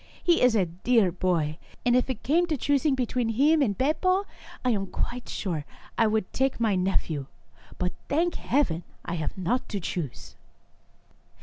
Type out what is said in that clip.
He is a dear boy, and if it came to choosing between him and Beppo, I am quite sure that I would take my nephew, but, thank Heaven, I have not to choose